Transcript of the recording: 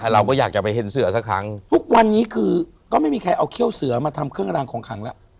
เราก็อยากจะไปเห็นเสือสักครั้งทุกวันนี้คือก็ไม่มีใครเอาเขี้ยวเสือมาทำเครื่องรางของขังแล้ว